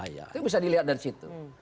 itu bisa dilihat dari situ